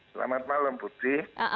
selamat malam putri